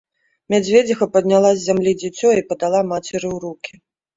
Мядзведзіха падняла з зямлі дзіцё і падала мацеры ў рукі.